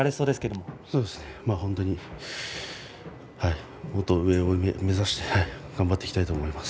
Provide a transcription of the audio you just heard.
もっともっと上を目指して頑張っていきたいと思います。